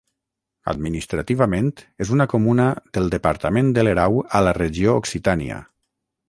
Administrativament és una comuna del departament de l'Erau a la regió Occitània.